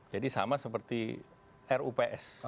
jadi sama seperti rups